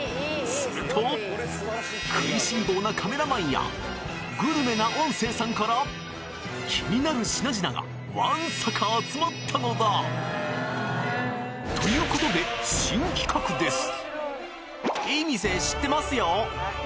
すると食いしん坊なカメラマンやグルメな音声さんから気になる品々がわんさか集まったのだ！ということで新企画です